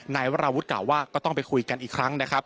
นายวราวุฒิกล่าวว่าก็ต้องไปคุยกันอีกครั้งนะครับ